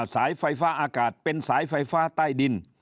สายไฟฟ้าอากาศเป็นสายไฟฟ้าใต้ดิน